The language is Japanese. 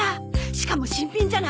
しかも新品じゃない？